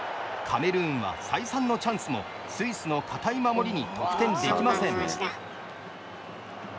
カメルーンは再三のチャンスもスイスの堅い守りに得点できません。